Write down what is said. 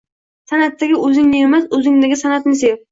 San’atdagi o‘zingni emas, o‘zingdagi san’atni sev